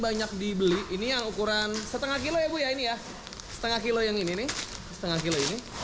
banyak dibeli ini yang ukuran setengah kilo ya bu ya ini ya setengah kilo yang ini nih setengah kilo ini